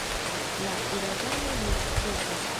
La uragano ne ĉesos.